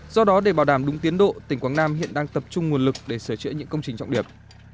do đó để bảo đảm đúng tiến độ tỉnh quảng nam hiện đang tập trung nguồn lực để sửa chữa những công trình trọng điểm